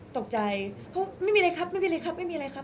ตกใจเพราะไม่มีอะไรครับไม่มีอะไรครับไม่มีอะไรครับ